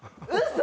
嘘！